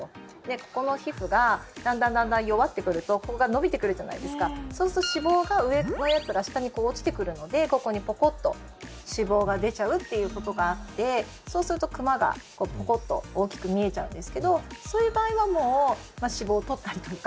ここの皮膚がだんだん弱ってくるとここが伸びてくるじゃないですかそうすると脂肪が上のやつが下に落ちてくるのでここにポコッと脂肪が出ちゃうということがあってそうするとクマがポコッと大きく見えちゃうんですけどそういう場合はもう脂肪を取ったりとか。